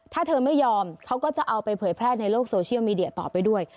ถ้าเธอไม่ยอมเขาก็จะเอาไปเผยแพร่ในโลกโซเชียลมีเดียต่อไปด้วย